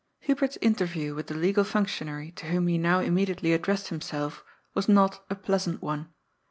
Hubert's interview with the legal functionary to whom he now immediately addressed himself was not a pleasant one.